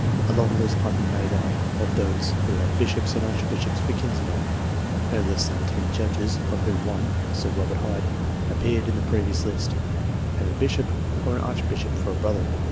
A long list might be made out of those who had bishops and archbishops for kinsmen. No less than ten judges of whom one, Sir Robert Hyde, appeared in the previous list have a bishop or an arch bishop for a brother.